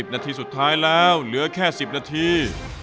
นาทีสุดท้ายแล้วเหลือแค่๑๐นาที